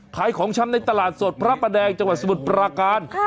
ของชำในตลาดสดพระประแดงจังหวัดสมุทรปราการ